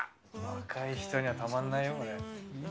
若い人にはたまらないよ、これ。